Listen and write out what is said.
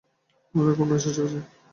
আমাদের খুব নেশা চেপেছে!